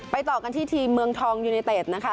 ต่อกันที่ทีมเมืองทองยูเนเต็ดนะคะ